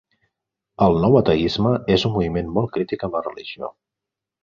El nou ateisme és un moviment molt crític amb la religió.